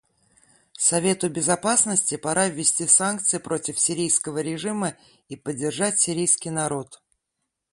Совету Безопасности пора ввести санкции против сирийского режима и поддержать сирийский народ.